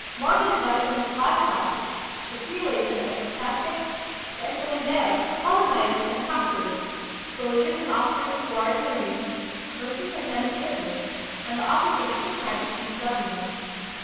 Morga divides them into five classes: the prelates and ecclesi astics; the encomenderos, colonizers, and conquerors; sol diers and officers of war and marine; merchants and men of business; and the officers of his Majesty's govern ment.